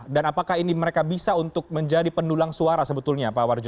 dan apakah ini mereka bisa untuk menjadi pendulang suara sebetulnya pak warjo